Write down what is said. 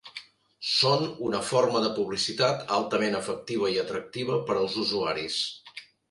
Són una forma de publicitat altament efectiva i atractiva per als usuaris.